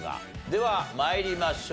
では参りましょう。